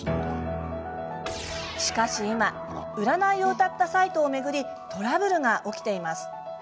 しかし、今占いをうたったサイトを巡りトラブルが起きています。